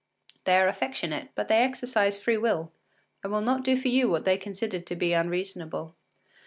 They are affectionate, but they exercise free will, and will not do for you what they consider to be unreasonable.